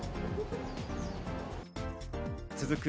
続く